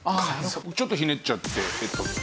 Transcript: ちょっとひねっちゃって電子タバコ。